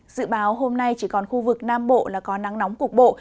dự báo hôm nay chỉ còn khu vực nam bộ là có nắng nóng cục bộ